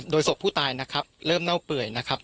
โดยศพผู้ตายนะครับเริ่มเน่าเปื่อยนะครับ